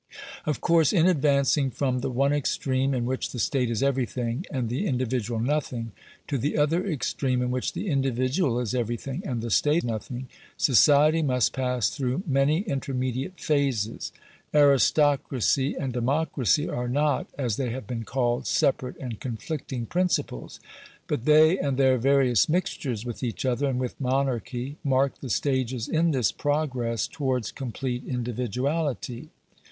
Of course, in advancing from the one extreme, in which the state is everything and the individual nothing, to the other! extreme, in which the individual is everything and the nothing, society must pass through many intermediate Aristocracy and democracy are not, as they have been called, separate and conflicting principles ; but they and their various mixtures with each other and with monarchy mark the stages in this progress towards complete individuality.